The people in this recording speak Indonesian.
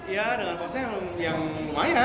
ya dengan konsepnya yang lumayan